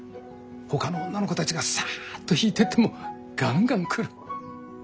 ほかの女の子たちがサッと引いてってもガンガン来る。